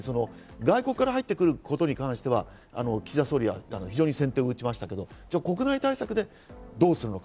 外国から入ってくることに関しては岸田総理が先手を打ちましたけど、国内対策でどうするのか？